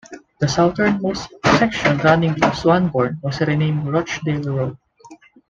The southernmost section running through Swanbourne was renamed Rochdale Road.